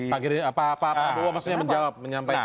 pak gerinda pak prabowo maksudnya menjawab menyampaikan